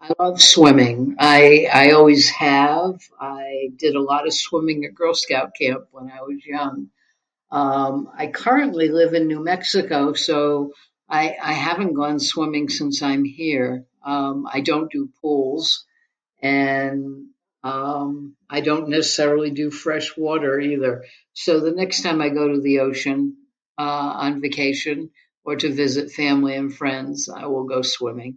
I love swimming, I I always have. I did a lot of swimming at Girl Scout camp when I was young. Um, I currently live in New Mexico, so, I I haven't gone swimming since I'm here. Um, I don't do pools and, um, I don't necessarily do fresh water, either. So, the next time I go to the ocean, uh, on vacation, or to visit family and friends, I will go swimming.